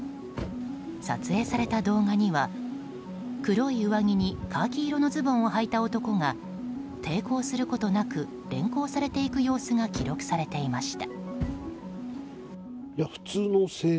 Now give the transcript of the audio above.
撮影された動画には、黒い上着にカーキ色のズボンをはいた男が抵抗することなく連行されていく様子が記録されていました。